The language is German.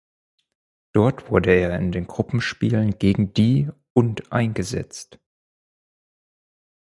Dort wurde er in den Gruppenspielen gegen die und eingesetzt.